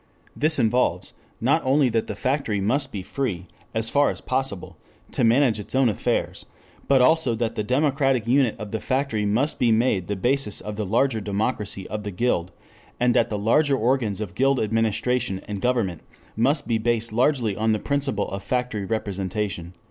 This involves, not only that the factory must be free, as far as possible, to manage its own affairs, but also that the democratic unit of the factory must be made the basis of the larger democracy of the Guild, and that the larger organs of Guild administration and government must be based largely on the principle of factory representation."